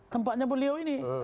tempatnya beliau ini